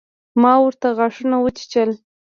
ما ورته غاښونه وچيچل.